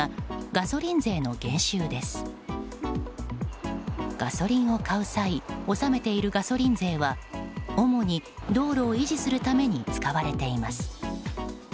ガソリンを買う際納めているガソリン税は主に道路を維持するために使われています。